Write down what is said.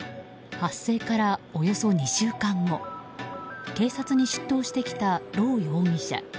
発生からおよそ２時間後警察に出頭してきたロウ容疑者。